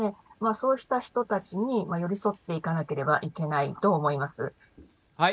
そうした人たちに寄り添っていかなければいけないはい。